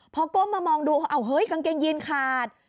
พอก้มมามองดูเขาเอาเฮ้ยกางเกงยีนขาด